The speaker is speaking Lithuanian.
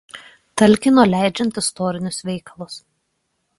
Talkino leidžiant istorinius veikalus.